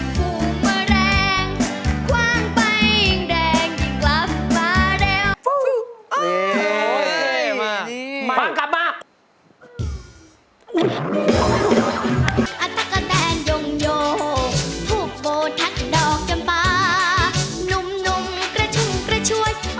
ถักดอกจำป่านุ่มกระชุ่มกระชวย